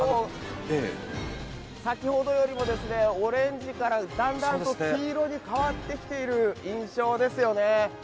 先ほどよりもオレンジから、だんだんと黄色に変わってきている印象ですよね。